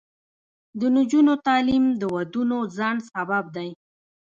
د نجونو تعلیم د ودونو ځنډ سبب دی.